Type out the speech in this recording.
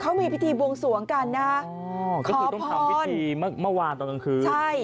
เขามีพิธีบวงสวงกันนะฮะอ๋อก็คือต้องทำพิธีเมื่อเมื่อวานตอนกลางคืนใช่